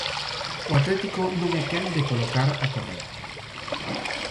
O Atlético non é quen de colocar a Correa.